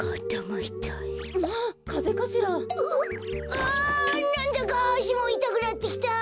あなんだかあしもいたくなってきた！